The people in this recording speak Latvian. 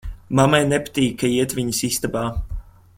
Mammai nepatīk, ka iet viņas istabā.